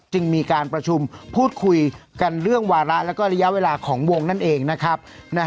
จึงมีการประชุมพูดคุยกันเรื่องวาระแล้วก็ระยะเวลาของวงนั่นเองนะครับ